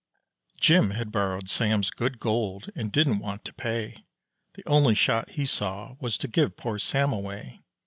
Jim had borrowed Sam's good gold and didn't want to pay, The only shot he saw was to give poor Sam away.